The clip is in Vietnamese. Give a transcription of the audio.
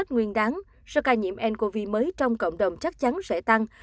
nguyên đáng số ca nhiễm ncov mới trong cộng đồng chắc chắn sẽ tăng